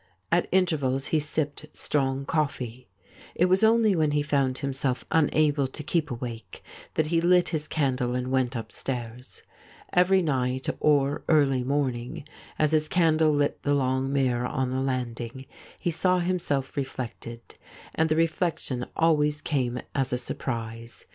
At intervals he sipped strong coffee. It was only when he found himself unable 36 THIS IS ALL to keep HAvake that he Ht his candle and went upstairs. Every nighty or early morning, as his candle lit the long mirror on the landing, he saw himself reflected, and the reflection always came as a surprise.